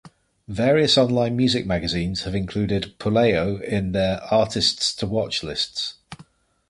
Various online music magazines have included Puleo in their "artists to watch" lists.